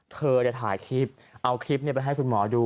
เธอจะถ่ายคลิปเอาคลิปนี้ไปให้คุณหมอดูอ่า